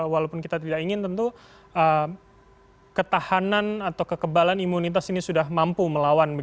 walaupun kita tidak ingin tentu ketahanan atau kekebalan imunitas ini sudah mampu melawan